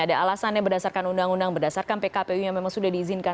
ada alasannya berdasarkan undang undang berdasarkan pkpu yang memang sudah diizinkan